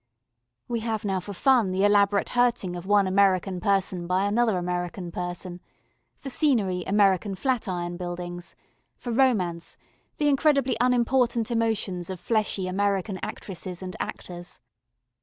We have now for fun the elaborate hurting of one American person by another American person; for scenery, American flat iron buildings; for romance the incredibly unimportant emotions of fleshy American actresses and actors.